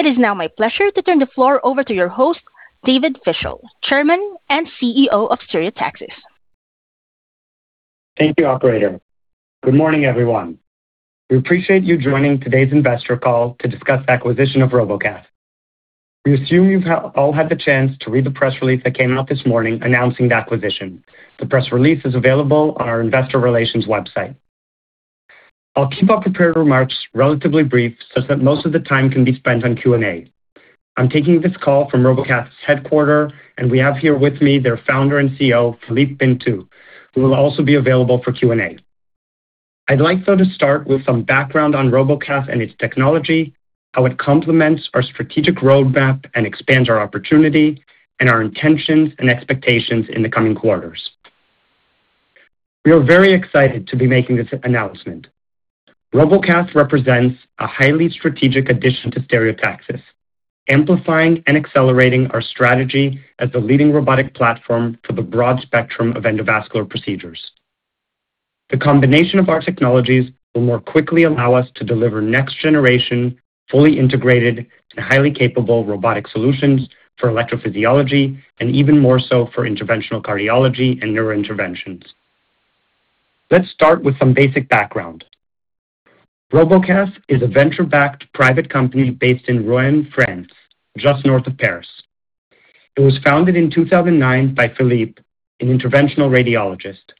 It is now my pleasure to turn the floor over to your host, David Fischel, Chairman and CEO of Stereotaxis. Thank you, operator. Good morning, everyone. We appreciate you joining today's investor call to discuss the acquisition of Robocath. We assume you've all had the chance to read the press release that came out this morning announcing the acquisition. The press release is available on our investor relations website. I'll keep our prepared remarks relatively brief such that most of the time can be spent on Q&A. I'm taking this call from Robocath's headquarters, and we have here with me their Founder and CEO, Philippe Bencteux, who will also be available for Q&A. I'd like, though, to start with some background on Robocath and its technology, how it complements our strategic roadmap and expands our opportunity, and our intentions and expectations in the coming quarters. We are very excited to be making this announcement. Robocath represents a highly strategic addition to Stereotaxis, amplifying and accelerating our strategy as the leading robotic platform for the broad spectrum of endovascular procedures. The combination of our technologies will more quickly allow us to deliver next-generation, fully integrated and highly capable robotic solutions for electrophysiology and even more so for interventional cardiology and neurointerventions. Let's start with some basic background. Robocath is a venture-backed private company based in Rouen, France, just north of Paris. It was founded in 2009 by Philippe, an Interventional Radiologist.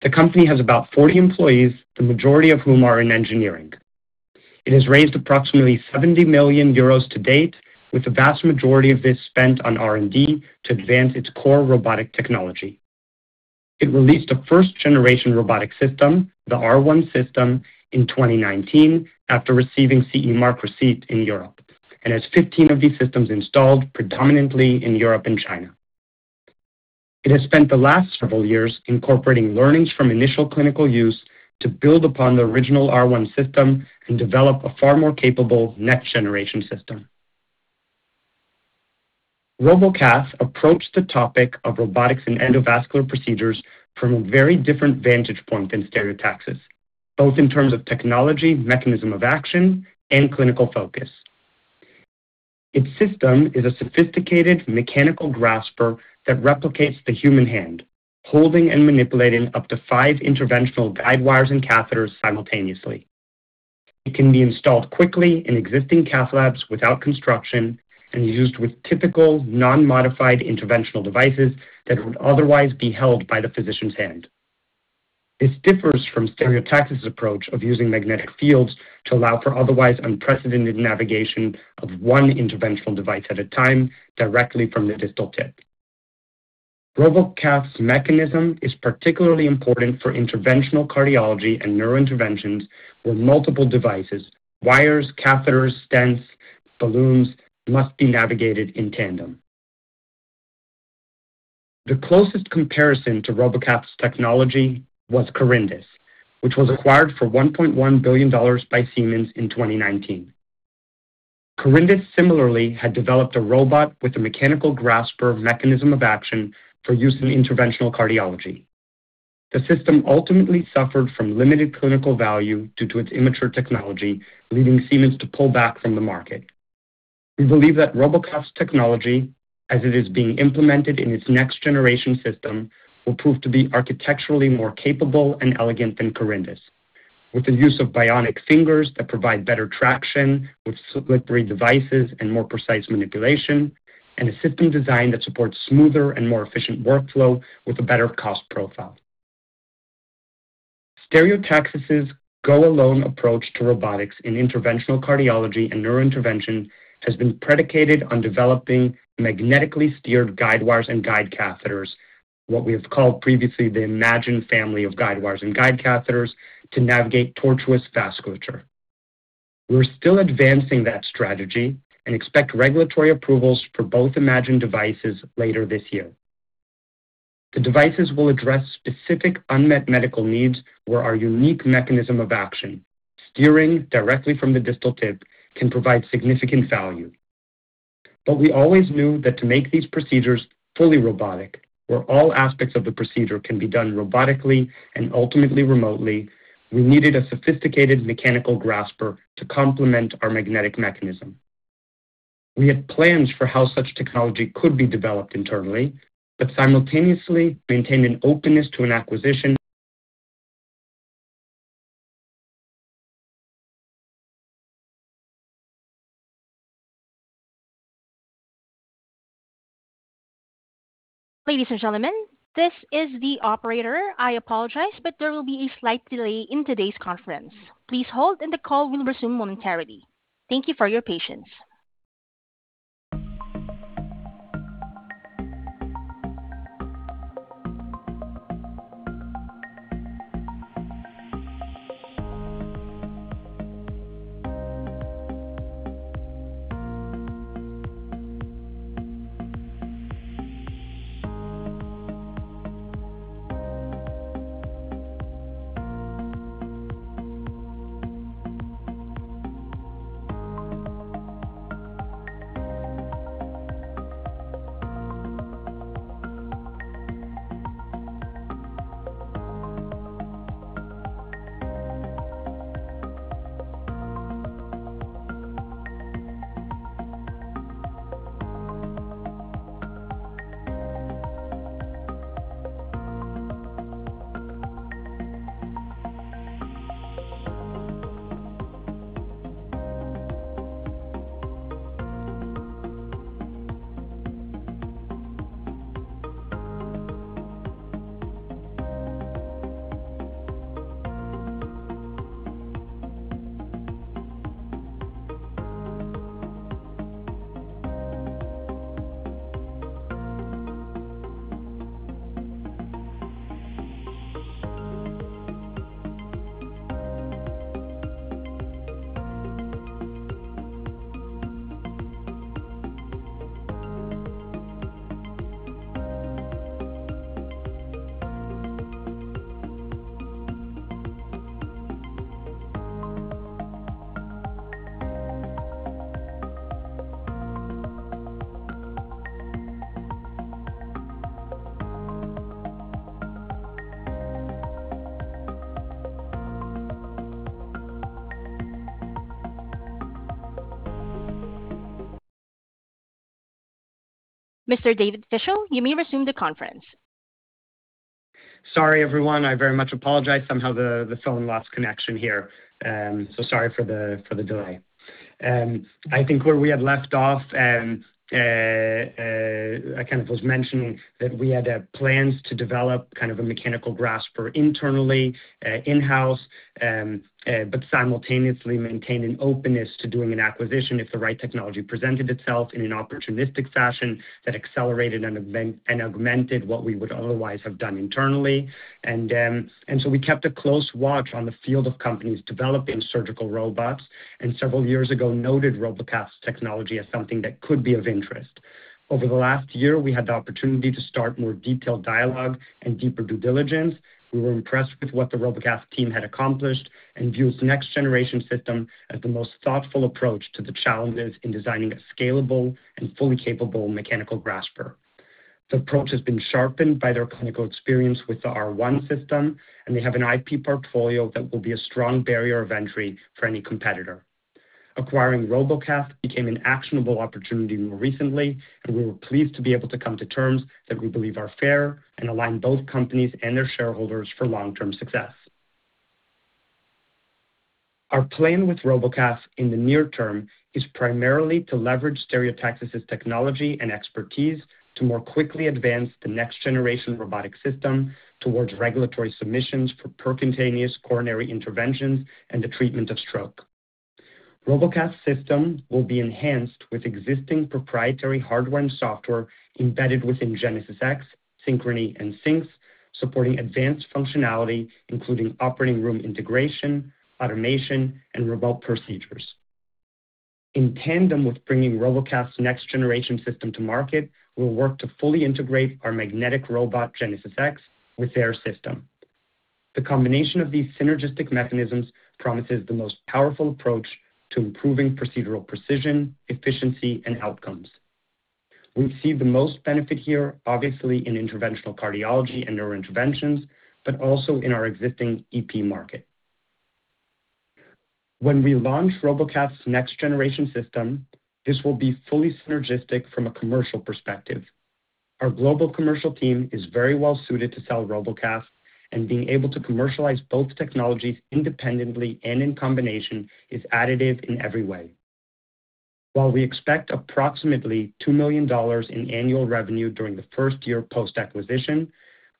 The company has about 40 employees, the majority of whom are in engineering. It has raised approximately 70 million euros to date, with the vast majority of this spent on R&D to advance its core robotic technology. It released a first-generation robotic system, the R-One system, in 2019 after receiving CE mark receipt in Europe, and has 15 of these systems installed, predominantly in Europe and China. It has spent the last several years incorporating learnings from initial clinical use to build upon the original R-One system and develop a far more capable next-generation system. Robocath approached the topic of robotics and endovascular procedures from a very different vantage point than Stereotaxis, both in terms of technology, mechanism of action, and clinical focus. Its system is a sophisticated mechanical grasper that replicates the human hand, holding and manipulating up to five interventional guide wires and catheters simultaneously. It can be installed quickly in existing cath labs without construction and used with typical non-modified interventional devices that would otherwise be held by the physician's hand. This differs from Stereotaxis' approach of using magnetic fields to allow for otherwise unprecedented navigation of one interventional device at a time directly from the distal tip. Robocath's mechanism is particularly important for interventional cardiology and neurointerventions, where multiple devices, wires, catheters, stents, balloons must be navigated in tandem. The closest comparison to Robocath's technology was Corindus, which was acquired for $1.1 billion by Siemens in 2019. Corindus similarly had developed a robot with a mechanical grasper mechanism of action for use in interventional cardiology. The system ultimately suffered from limited clinical value due to its immature technology, leading Siemens to pull back from the market. We believe that Robocath's technology, as it is being implemented in its next-generation system, will prove to be architecturally more capable and elegant than Corindus. With the use of bionic fingers that provide better traction with slippery devices and more precise manipulation, and a system design that supports smoother and more efficient workflow with a better cost profile. Stereotaxis' go-alone approach to robotics in interventional cardiology and neurointervention has been predicated on developing magnetically steered guide wires and guide catheters, what we have called previously the EMAGIN family of guide wires and guide catheters, to navigate tortuous vasculature. We're still advancing that strategy and expect regulatory approvals for both EMAGIN devices later this year. The devices will address specific unmet medical needs where our unique mechanism of action, steering directly from the distal tip, can provide significant value. We always knew that to make these procedures fully robotic, where all aspects of the procedure can be done robotically and ultimately remotely, we needed a sophisticated mechanical grasper to complement our magnetic mechanism. We had plans for how such technology could be developed internally, but simultaneously maintained an openness to an acquisition. Ladies and gentlemen, this is the operator. I apologize, but there will be a slight delay in today's conference. Please hold and the call will resume momentarily. Thank you for your patience. Mr. David Fischel, you may resume the conference. Sorry, everyone. I very much apologize. Somehow the phone lost connection here. Sorry for the delay. I think where we had left off, I kind of was mentioning that we had plans to develop kind of a mechanical grasper internally, in-house, but simultaneously maintain an openness to doing an acquisition if the right technology presented itself in an opportunistic fashion that accelerated and augmented what we would otherwise have done internally. We kept a close watch on the field of companies developing surgical robots, and several years ago noted Robocath's technology as something that could be of interest. Over the last year, we had the opportunity to start more detailed dialogue and deeper due diligence. We were impressed with what the Robocath team had accomplished and viewed the next-generation system as the most thoughtful approach to the challenges in designing a scalable and fully capable mechanical grasper. The approach has been sharpened by their clinical experience with the R-One system, and they have an IP portfolio that will be a strong barrier of entry for any competitor. Acquiring Robocath became an actionable opportunity more recently, and we were pleased to be able to come to terms that we believe are fair and align both companies and their shareholders for long-term success. Our plan with Robocath in the near term is primarily to leverage Stereotaxis' technology and expertise to more quickly advance the next-generation robotic system towards regulatory submissions for percutaneous coronary interventions and the treatment of stroke. Robocath's system will be enhanced with existing proprietary hardware and software embedded within GenesisX, Synchrony, and Sync, supporting advanced functionality including operating room integration, automation, and robot procedures. In tandem with bringing Robocath's next-generation system to market, we'll work to fully integrate our magnetic robot, GenesisX, with their system. The combination of these synergistic mechanisms promises the most powerful approach to improving procedural precision, efficiency, and outcomes. We see the most benefit here, obviously, in interventional cardiology and neurointerventions, but also in our existing EP market. When we launch Robocath's next-generation system, this will be fully synergistic from a commercial perspective. Our global commercial team is very well suited to sell Robocath, and being able to commercialize both technologies independently and in combination is additive in every way. While we expect approximately $2 million in annual revenue during the first year post-acquisition,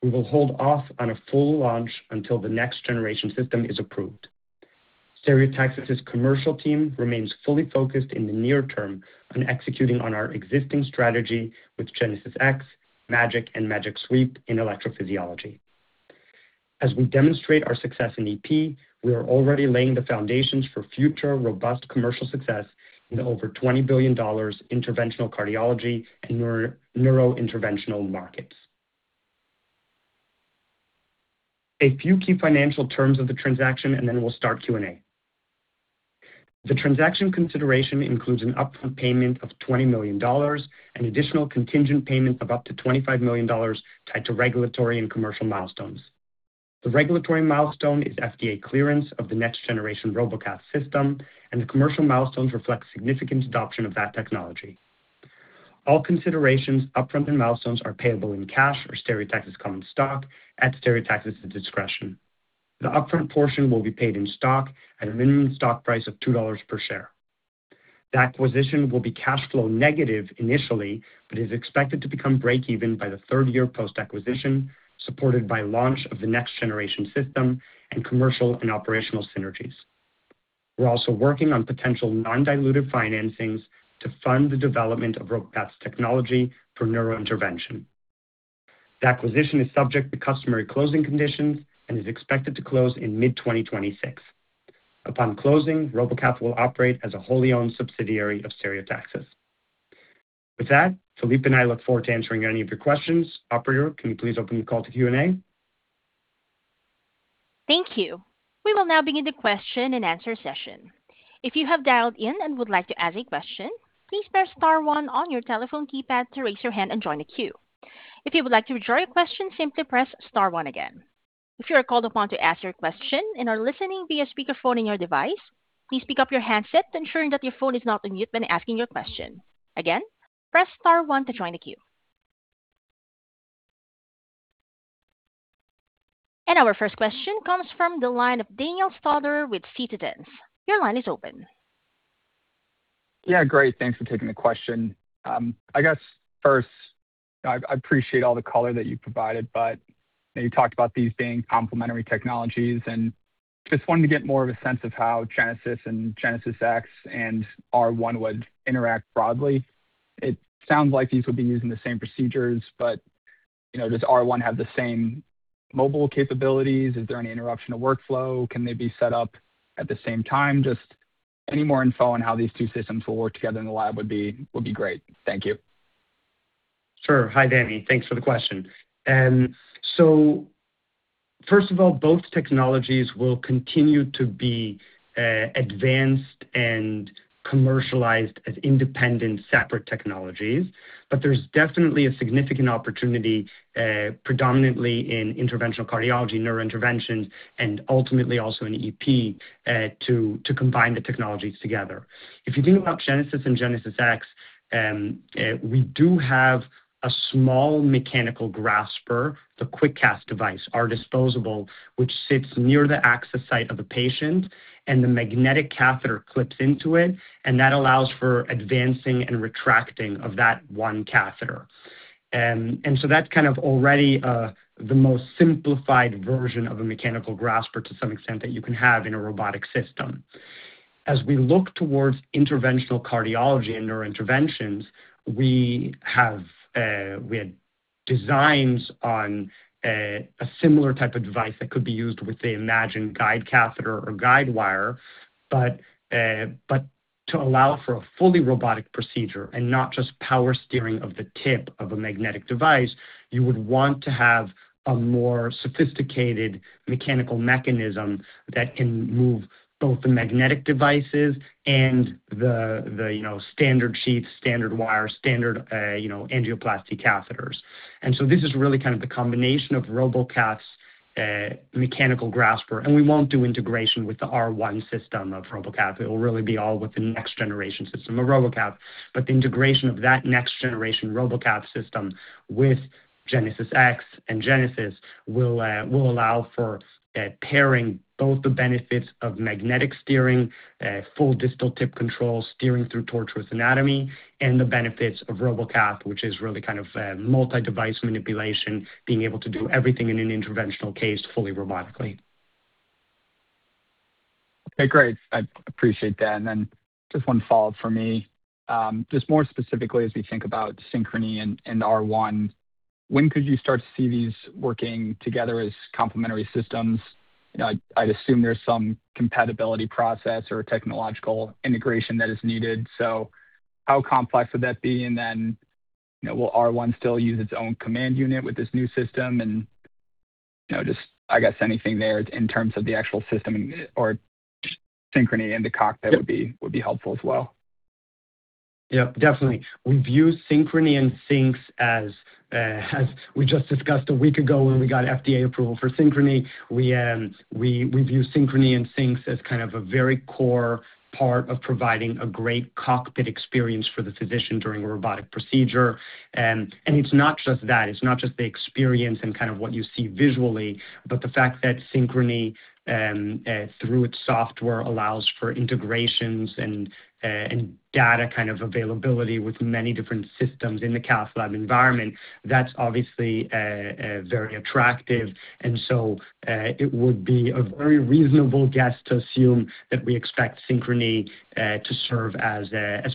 we will hold off on a full launch until the next-generation system is approved. Stereotaxis' commercial team remains fully focused in the near term on executing on our existing strategy with GenesisX, MAGiC, and MAGiC Sweep in electrophysiology. As we demonstrate our success in EP, we are already laying the foundations for future robust commercial success in the over $20 billion interventional cardiology and neurointerventional markets. A few key financial terms of the transaction, and then we'll start Q&A. The transaction consideration includes an upfront payment of $20 million, an additional contingent payment of up to $25 million tied to regulatory and commercial milestones. The regulatory milestone is FDA clearance of the next-generation Robocath system, and the commercial milestones reflect significant adoption of that technology. All considerations, upfront, and milestones are payable in cash or Stereotaxis common stock at Stereotaxis' discretion. The upfront portion will be paid in stock at a minimum stock price of $2 per share. The acquisition will be cash flow negative initially, but is expected to become break-even by the third year post-acquisition, supported by launch of the next-generation system and commercial and operational synergies. We're also working on potential non-dilutive financings to fund the development of Robocath's technology for neurointervention. The acquisition is subject to customary closing conditions and is expected to close in mid-2026. Upon closing, Robocath will operate as a wholly-owned subsidiary of Stereotaxis. With that, Philippe and I look forward to answering any of your questions. Operator, can you please open the call to Q&A? Thank you. We will now begin the question and answer session. If you have dialed in and would like to ask a question, please press star one on your telephone keypad to raise your hand and join the queue. If you would like to withdraw your question, simply press star one again. If you are called upon to ask your question and are listening via speakerphone in your device, please pick up your handset ensuring that your phone is not on mute when asking your question. Again, press star one to join the queue. Our first question comes from the line of Daniel Stauder with Citizens. Your line is open. Yeah, great. Thanks for taking the question. I guess first, I appreciate all the color that you provided, but you talked about these being complementary technologies, and just wanted to get more of a sense of how Genesis and GenesisX and R-One would interact broadly. It sounds like these would be using the same procedures, but does R-One have the same mobile capabilities? Is there any interruption to workflow? Can they be set up at the same time? Just any more info on how these two systems will work together in the lab would be great. Thank you. Sure. Hi, Daniel. Thanks for the question. First of all, both technologies will continue to be advanced and commercialized as independent, separate technologies, but there's definitely a significant opportunity, predominantly in interventional cardiology, neurointervention, and ultimately also in EP, to combine the technologies together. If you think about Genesis and GenesisX, we do have a small mechanical grasper, the QuikCAS device, our disposable, which sits near the access site of a patient, and the magnetic catheter clips into it, and that allows for advancing and retracting of that one catheter. That's kind of already the most simplified version of a mechanical grasper to some extent that you can have in a robotic system. As we look towards interventional cardiology and neurointerventions, we had designs on a similar type of device that could be used with a EMAGIN guide catheter or guidewire. To allow for a fully robotic procedure and not just power steering of the tip of a magnetic device, you would want to have a more sophisticated mechanical mechanism that can move both the magnetic devices and the standard sheath, standard wire, standard angioplasty catheters. This is really kind of the combination of Robocath mechanical grasper. We won't do integration with the R-One system of Robocath. It will really be all with the next generation system of Robocath. The integration of that next generation Robocath system with GenesisX and Genesis will allow for pairing both the benefits of magnetic steering, full distal tip control, steering through tortuous anatomy, and the benefits of Robocath, which is really kind of multi-device manipulation, being able to do everything in an interventional case fully robotically. Okay, great. I appreciate that. Just one follow-up from me, just more specifically as we think about Synchrony and R-One, when could you start to see these working together as complementary systems? I'd assume there's some compatibility process or technological integration that is needed. How complex would that be? Will R-One still use its own command unit with this new system? Just, I guess, anything there in terms of the actual system or Synchrony in the cockpit would be helpful as well. Yeah, definitely. We view Synchrony and Syncs as we just discussed a week ago when we got FDA approval for Synchrony. We view Synchrony and Syncs as kind of a very core part of providing a great cockpit experience for the physician during a robotic procedure. It's not just that, it's not just the experience and kind of what you see visually, but the fact that Synchrony, through its software, allows for integrations and data kind of availability with many different systems in the cath lab environment. That's obviously very attractive, and so it would be a very reasonable guess to assume that we expect Synchrony to serve as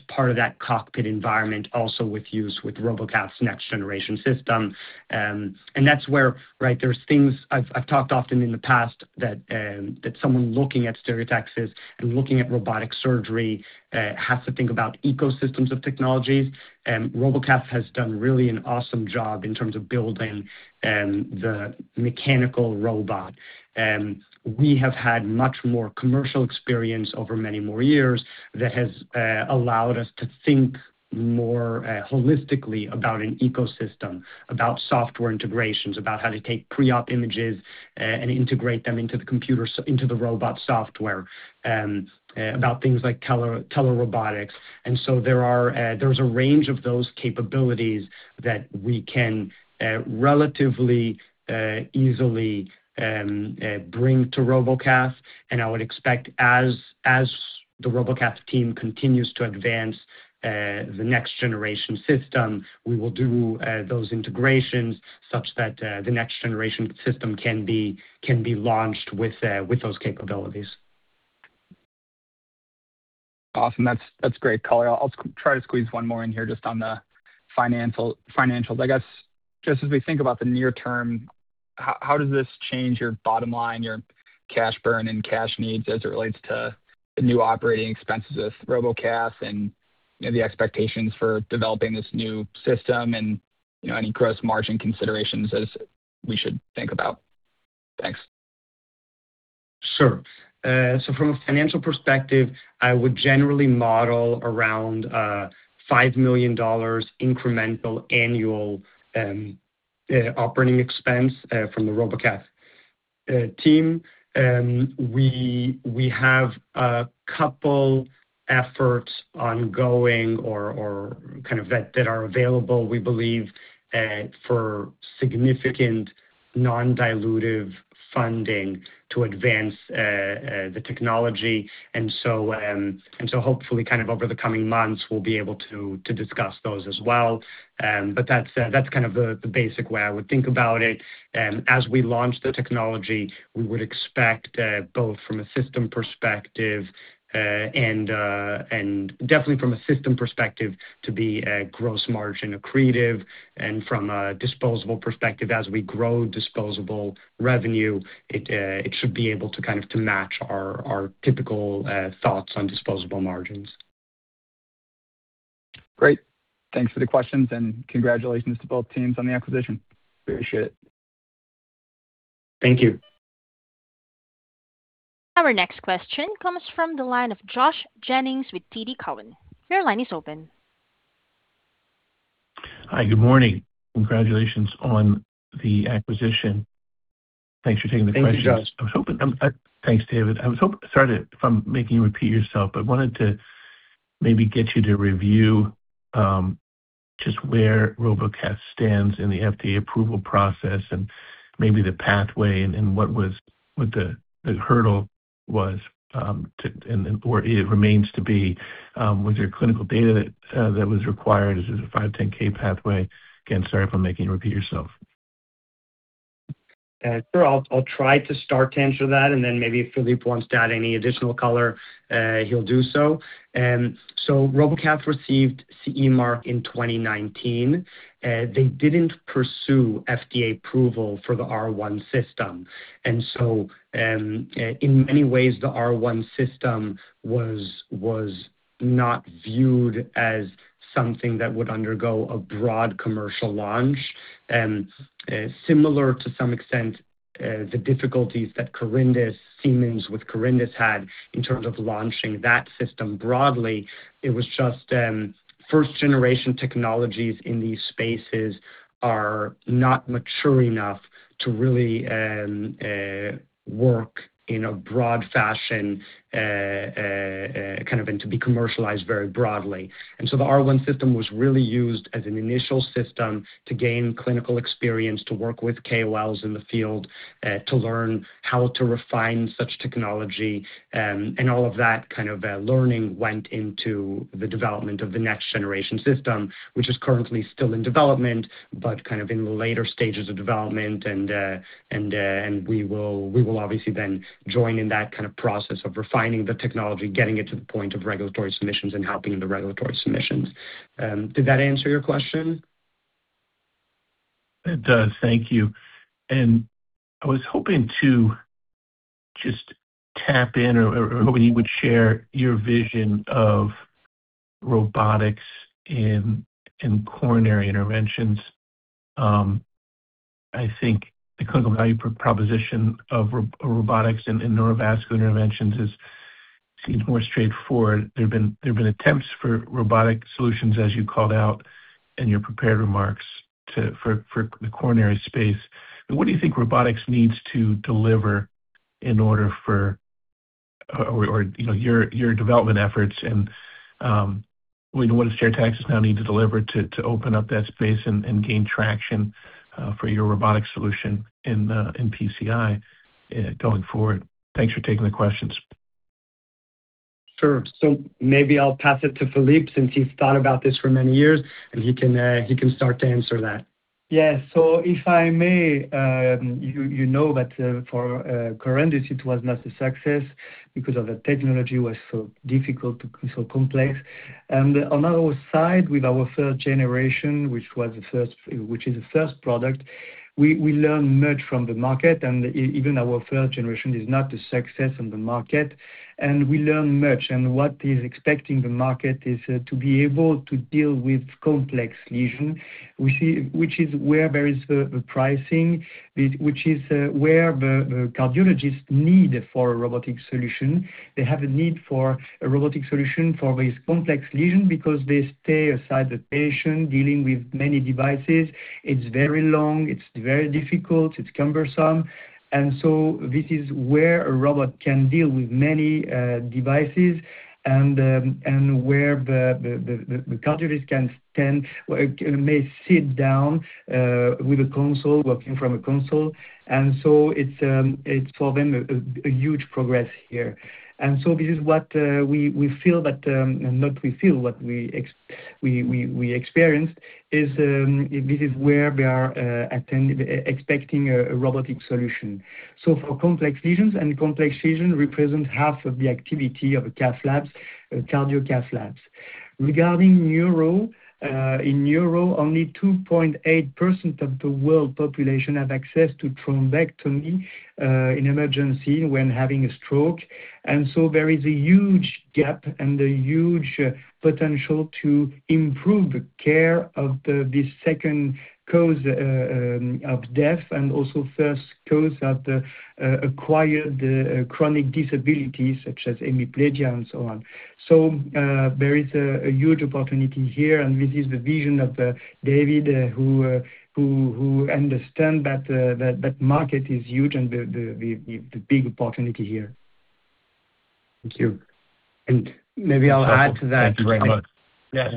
part of that cockpit environment also with use with Robocath's next-generation system. That's where there's things I've talked often in the past that someone looking at Stereotaxis and looking at robotic surgery has to think about ecosystems of technologies. Robocath has done really an awesome job in terms of building the mechanical robot. We have had much more commercial experience over many more years that has allowed us to think more holistically about an ecosystem, about software integrations, about how to take pre-op images and integrate them into the robot software, about things like telerobotics. There's a range of those capabilities that we can relatively easily bring to Robocath. I would expect as the Robocath team continues to advance the next-generation system, we will do those integrations such that the next-generation system can be launched with those capabilities. Awesome. That's great color. I'll try to squeeze one more in here just on the financials. I guess, just as we think about the near term, how does this change your bottom line, your cash burn and cash needs as it relates to the new operating expenses with Robocath and the expectations for developing this new system and any gross margin considerations as we should think about? Thanks. Sure. From a financial perspective, I would generally model around $5 million incremental annual operating expense from the Robocath team. We have a couple efforts ongoing or that are available, we believe, for significant non-dilutive funding to advance the technology. Hopefully over the coming months, we'll be able to discuss those as well. That's the basic way I would think about it. As we launch the technology, we would expect, definitely from a system perspective, to be gross margin accretive and from a disposable perspective, as we grow disposable revenue, it should be able to match our typical thoughts on disposable margins. Great. Thanks for the questions, and congratulations to both teams on the acquisition. We appreciate it. Thank you. Our next question comes from the line of Josh Jennings with TD Cowen. Your line is open. Hi, good morning. Congratulations on the acquisition. Thanks for taking the questions. Thank you, Josh. Thanks, David. Sorry for making you repeat yourself. I wanted to maybe get you to review just where Robocath stands in the FDA approval process and maybe the pathway and what the hurdle was, or it remains to be, with your clinical data that was required. Is it a 510K pathway? Again, sorry for making you repeat yourself. Sure. I'll try to start to answer that, and then maybe if Philippe wants to add any additional color, he'll do so. Robocath received CE mark in 2019. They didn't pursue FDA approval for the R-One system. In many ways, the R-One system was not viewed as something that would undergo a broad commercial launch. Similar to some extent, the difficulties that Siemens with Corindus had in terms of launching that system broadly, it was just 1st-generation technologies in these spaces are not mature enough to really work in a broad fashion and to be commercialized very broadly. The R-One system was really used as an initial system to gain clinical experience, to work with KOLs in the field, to learn how to refine such technology, and all of that learning went into the development of the next-generation system, which is currently still in development, but in the later stages of development. We will obviously then join in that process of refining the technology, getting it to the point of regulatory submissions, and helping the regulatory submissions. Did that answer your question? It does. Thank you. And I was hoping to just tap in or hoping you would share your vision of robotics in coronary interventions. I think the clinical value proposition of robotics in neurovascular interventions seems more straightforward. There have been attempts for robotic solutions, as you called out in your prepared remarks, for the coronary space. But what do you think robotics needs to deliver in order for-- or your development efforts and what does Stereotaxis now need to deliver to open up that space and gain traction for your robotic solution in PCI going forward? Thanks for taking the questions. Sure. Maybe I'll pass it to Philippe since he's thought about this for many years, and he can start to answer that. Yes. If I may, you know that for Corindus, it was not a success because of the technology was so difficult, so complex. On our side, with our third generation, which is the first product, we learn much from the market, and even our third generation is not a success in the market. We learn much, and what is expecting the market is to be able to deal with complex lesion, which is where there is the pricing, which is where the cardiologists need for a robotic solution. They have a need for a robotic solution for this complex lesion because they stay aside the patient dealing with many devices. It's very long, it's very difficult, it's cumbersome. This is where a robot can deal with many devices and where the cardiologist may sit down with a console, working from a console. It's solving a huge problem here. This is what we feel that, not we feel, what we experienced is this is where we are expecting a robotic solution. Complex lesions represent half of the activity of cath labs, cardio cath labs. In neuro, only 2.8% of the world population have access to thrombectomy in emergency when having a stroke. There is a huge gap and a huge potential to improve the care of this second cause of death, and also first cause of acquired chronic disabilities such as hemiplegia and so on. There is a huge opportunity here, and this is the vision of David, who understand that market is huge and the big opportunity here. Thank you. Maybe I'll add to that. Thank you very much. Yes.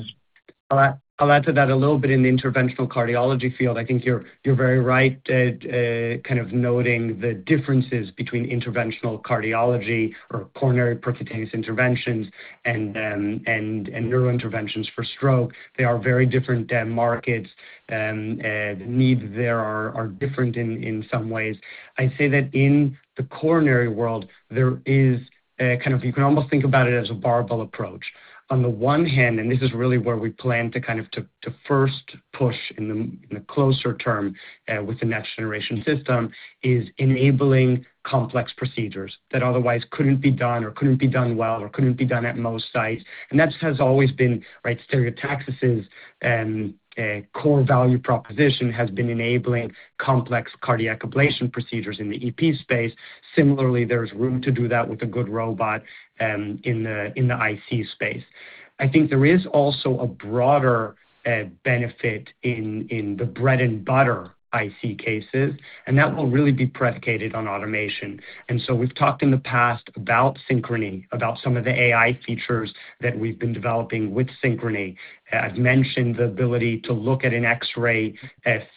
I'll add to that a little bit in the interventional cardiology field. I think you're very right, kind of noting the differences between interventional cardiology or coronary percutaneous interventions and neurointerventions for stroke. They are very different markets. The needs there are different in some ways. I'd say that in the coronary world, there is a kind of, you can almost think about it as a barbell approach. On the one hand, and this is really where we plan to kind of first push in the closer term with the next-generation system, is enabling complex procedures that otherwise couldn't be done or couldn't be done well or couldn't be done at most sites. That has always been Stereotaxis' core value proposition, has been enabling complex cardiac ablation procedures in the EP space. Similarly, there's room to do that with a good robot in the IC space. I think there is also a broader benefit in the bread-and-butter IC cases, and that will really be predicated on automation. We've talked in the past about Synchrony, about some of the AI features that we've been developing with Synchrony. I've mentioned the ability to look at an X-ray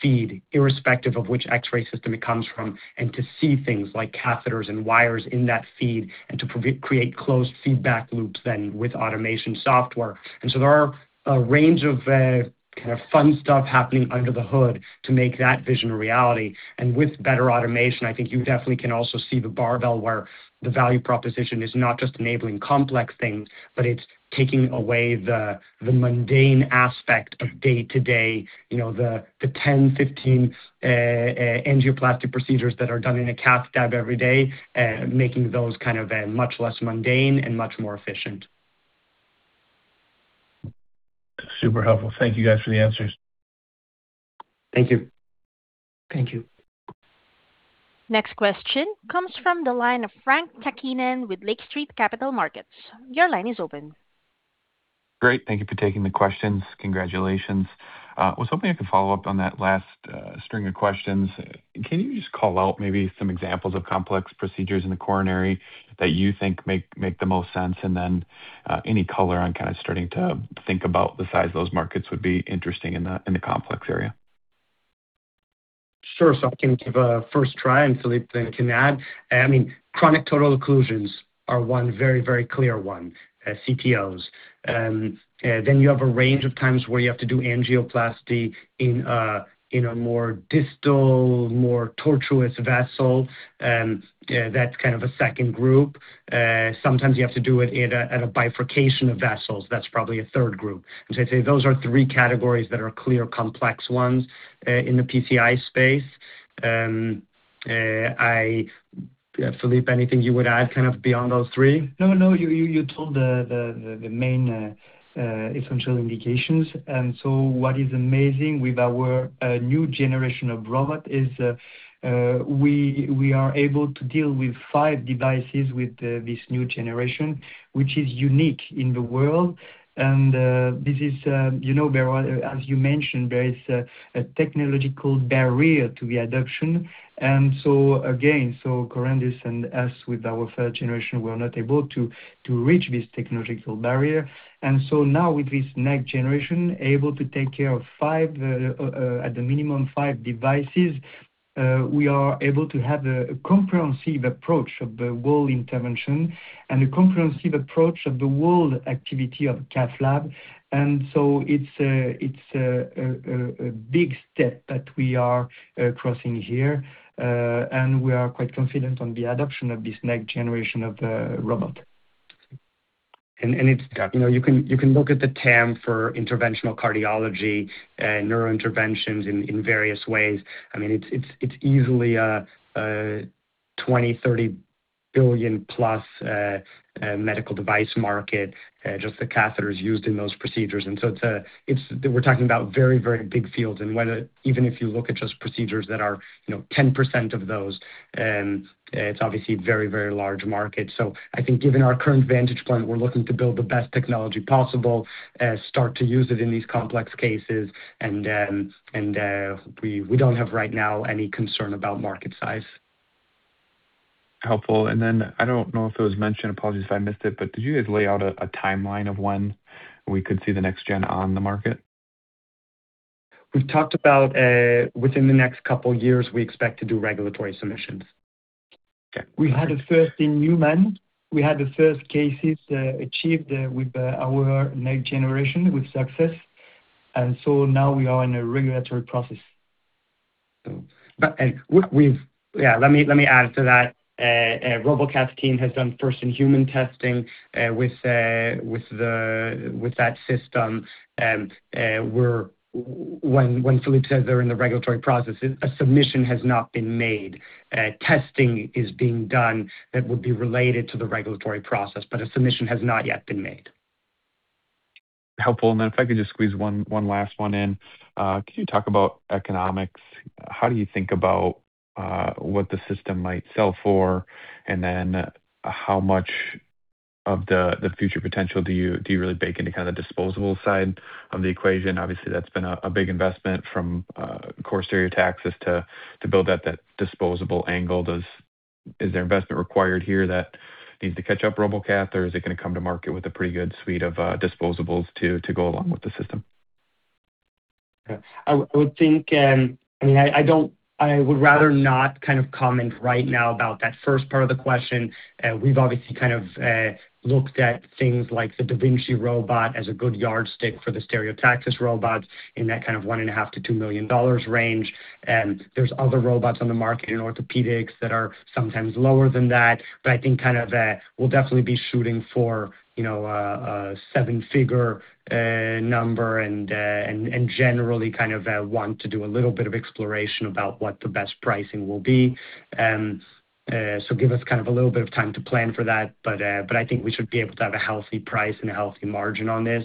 feed, irrespective of which X-ray system it comes from, and to see things like catheters and wires in that feed, and to create closed feedback loops then with automation software. There are a range of kind of fun stuff happening under the hood to make that vision a reality. With better automation, I think you definitely can also see the barbell, where the value proposition is not just enabling complex things, but it's taking away the mundane aspect of day-to-day, the 10-15 angioplasty procedures that are done in a cath lab every day, making those kind of much less mundane and much more efficient. Super helpful. Thank you guys for the answers. Thank you. Thank you. Next question comes from the line of Frank Takkinen with Lake Street Capital Markets. Your line is open. Great. Thank you for taking the questions. Congratulations. I was hoping I could follow up on that last string of questions. Can you just call out maybe some examples of complex procedures in the coronary that you think make the most sense? Any color on kind of starting to think about the size those markets would be interesting in the complex area? Sure. I can give a first try, and Philippe then can add. Chronic total occlusions are one very clear one, CTOs. You have a range of times where you have to do angioplasty in a more distal, more tortuous vessel. That's kind of a second group. Sometimes you have to do it at a bifurcation of vessels. That's probably a third group. I'd say those are three categories that are clear complex ones in the PCI space. Philippe, anything you would add kind of beyond those three? No, you told the main essential indications. What is amazing with our new generation of robot is we are able to deal with five devices with this new generation, which is unique in the world. As you mentioned, there is a technological barrier to the adoption. Again, Corindus and us with our third generation, were not able to reach this technological barrier. Now with this next generation, able to take care of at the minimum five devices, we are able to have a comprehensive approach of the whole intervention and a comprehensive approach of the whole activity of cath lab. It's a big step that we are crossing here. We are quite confident on the adoption of this next generation of the robot. You can look at the TAM for interventional cardiology, neurointerventions in various ways. It's easily a $20 billion-$30 billion+ medical device market, just the catheters used in those procedures. We're talking about very big fields. Even if you look at just procedures that are 10% of those, it's obviously a very large market. I think given our current vantage point, we're looking to build the best technology possible, start to use it in these complex cases, and we don't have right now any concern about market size. Helpful. I don't know if it was mentioned, apologies if I missed it, but did you guys lay out a timeline of when we could see the next-gen on the market? We've talked about within the next couple years, we expect to do regulatory submissions. Okay. We had the first-in-human. We had the first cases achieved with our next generation with success. Now we are in a regulatory process. Let me add to that. Robocath team has done first-in-human testing with that system. When Philippe says they're in the regulatory process, a submission has not been made. Testing is being done that would be related to the regulatory process, but a submission has not yet been made. Helpful. If I could just squeeze one last one in. Can you talk about economics? How do you think about what the system might sell for? How much of the future potential do you really bake into kind of the disposable side of the equation? Obviously, that's been a big investment from core Stereotaxis to build that disposable angle. Is there investment required here that needs to catch up Robocath? Is it going to come to market with a pretty good suite of disposables to go along with the system? Okay. I would rather not comment right now about that first part of the question. We've obviously looked at things like the da Vinci robot as a good yardstick for the Stereotaxis robot in that kind of one and a half to two million dollars range. There's other robots on the market in orthopedics that are sometimes lower than that. I think we'll definitely be shooting for a seven-figure number, and generally want to do a little bit of exploration about what the best pricing will be. Give us a little bit of time to plan for that. I think we should be able to have a healthy price and a healthy margin on this.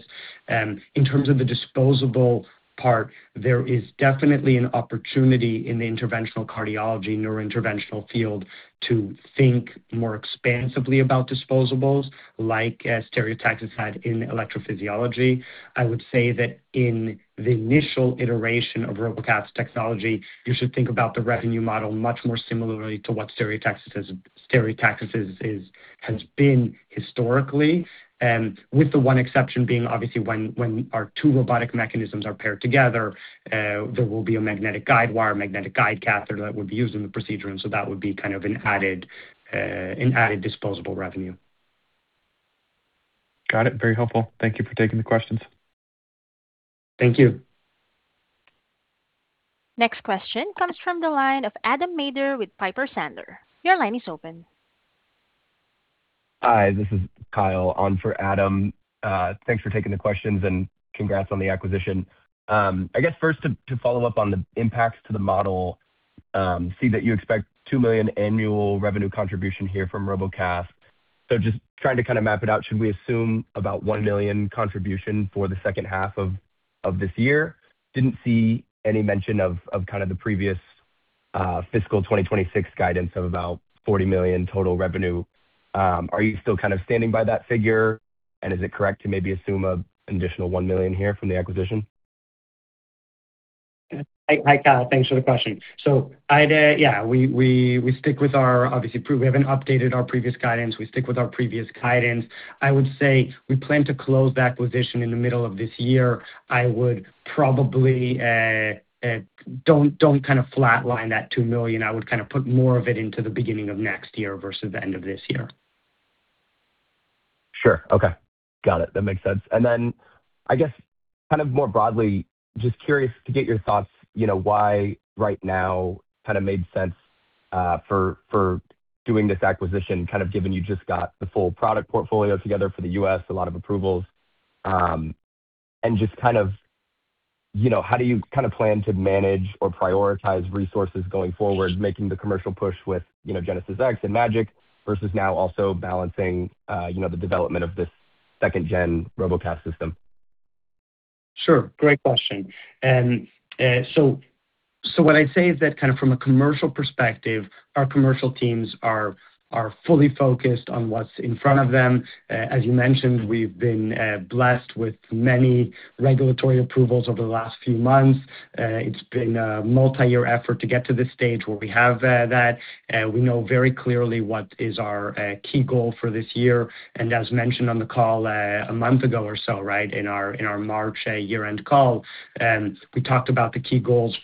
In terms of the disposable part, there is definitely an opportunity in the interventional cardiology, neurointerventional field to think more expansively about disposables like Stereotaxis had in electrophysiology. I would say that in the initial iteration of Robocath's technology, you should think about the revenue model much more similarly to what Stereotaxis has been historically. With the one exception being obviously when our two robotic mechanisms are paired together, there will be a magnetic guidewire, magnetic guide catheter that would be used in the procedure, and so that would be kind of an added disposable revenue. Got it. Very helpful. Thank you for taking the questions. Thank you. Next question comes from the line of Adam Maeder with Piper Sandler. Your line is open. Hi, this is Kyle on for Adam. Thanks for taking the questions and congrats on the acquisition. I guess first to follow up on the impacts to the model. See that you expect $2 million annual revenue contribution here from Robocath. Just trying to kind of map it out. Should we assume about $1 million contribution for the second half of this year? Didn't see any mention of kind of the previous fiscal 2026 guidance of about $40 million total revenue. Are you still kind of standing by that figure? Is it correct to maybe assume an additional $1 million here from the acquisition? Hi, Kyle. Thanks for the question. We stick with our obviously proof. We haven't updated our previous guidance. We stick with our previous guidance. I would say we plan to close the acquisition in the middle of this year. Don't kind of flatline that $2 million. I would put more of it into the beginning of next year versus the end of this year. Sure. Okay. Got it. That makes sense. I guess, kind of more broadly, just curious to get your thoughts, why right now made sense for doing this acquisition, kind of given you just got the full product portfolio together for the U.S., a lot of approvals. How do you plan to manage or prioritize resources going forward, making the commercial push with GenesisX and MAGiC versus now also balancing the development of this 2nd-gen Robocath system? Great question. What I'd say is that kind of from a commercial perspective, our commercial teams are fully focused on what's in front of them. As you mentioned, we've been blessed with many regulatory approvals over the last few months. It's been a multi-year effort to get to this stage where we have that. We know very clearly what is our key goal for this year. As mentioned on the call a month ago or so, in our March year-end call, we talked about the key goals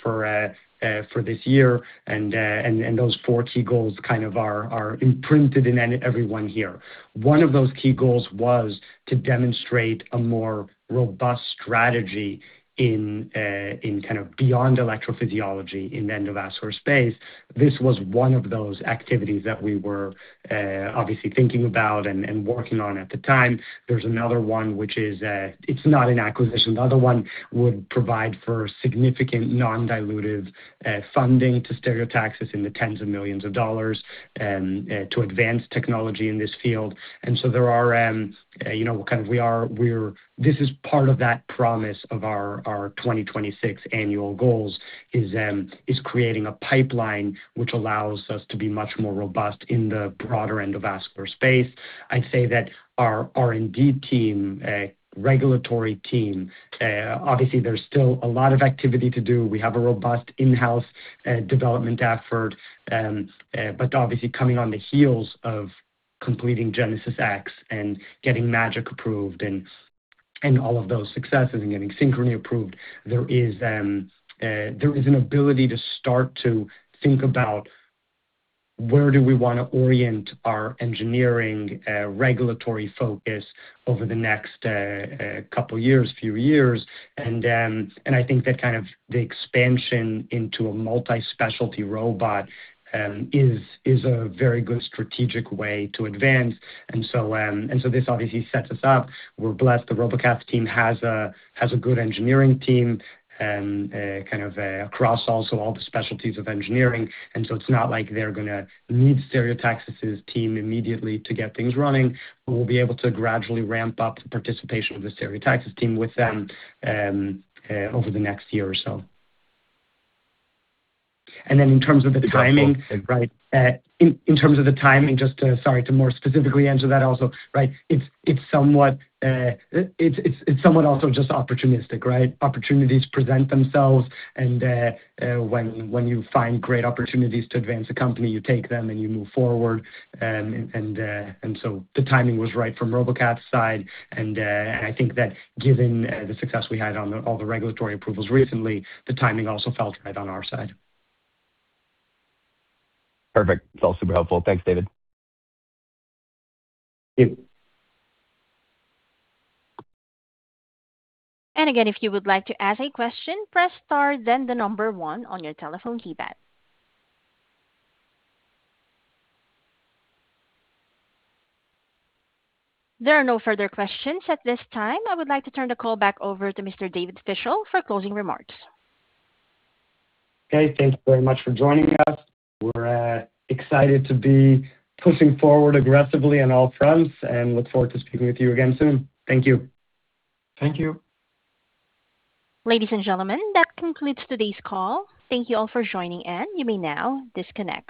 for this year. Those four key goals kind of are imprinted in everyone here. One of those key goals was to demonstrate a more robust strategy in kind of beyond electrophysiology in the endovascular space. This was one of those activities that we were obviously thinking about and working on at the time. There's another one which is. It's not an acquisition. The other one would provide for significant non-dilutive funding to Stereotaxis in the tens of millions of dollars to advance technology in this field. This is part of that promise of our 2026 annual goals, is creating a pipeline which allows us to be much more robust in the broader endovascular space. I'd say that our R&D team, regulatory team, obviously there's still a lot of activity to do. We have a robust in-house development effort. Obviously coming on the heels of completing GenesisX and getting MAGiC approved and all of those successes and getting Synchrony approved, there is an ability to start to think about where do we want to orient our engineering regulatory focus over the next couple years, few years. I think that the expansion into a multi-specialty robot is a very good strategic way to advance. This obviously sets us up. We're blessed. The Robocath team has a good engineering team across also all the specialties of engineering, and so it's not like they're going to need Stereotaxis' team immediately to get things running, but we'll be able to gradually ramp up the participation of the Stereotaxis team with them over the next year or so. In terms of the timing, just sorry, to more specifically answer that also. It's somewhat also just opportunistic. Opportunities present themselves, and when you find great opportunities to advance a company, you take them and you move forward. The timing was right from Robocath's side, and I think that given the success we had on all the regulatory approvals recently, the timing also felt right on our side. Perfect. It's all super helpful. Thanks, David. Thank you. Again, if you would like to ask a question, press star then the number one on your telephone keypad. There are no further questions at this time. I would like to turn the call back over to Mr. David Fischel for closing remarks. Okay. Thank you very much for joining us. We're excited to be pushing forward aggressively on all fronts and look forward to speaking with you again soon. Thank you. Thank you. Ladies and gentlemen, that concludes today's call. Thank you all for joining, and you may now disconnect.